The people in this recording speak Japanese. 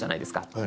はい。